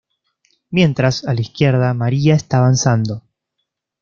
Mientras, a la izquierda, María está avanzando.